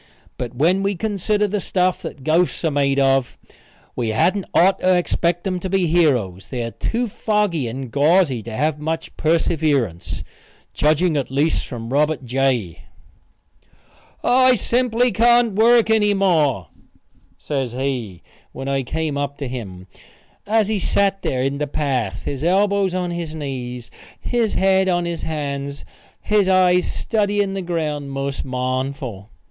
But when we consider the stuff that ghosts are made of we hadn't otter expect them to be heroes. They are too foggy and gauzy to have much perseverance judging at least from Robert J. "I simply can't work any more," says he, when I came up to him, as he sat there in the path, his elbows on his knees, his head on his hands, his eyes studying the ground most mournful.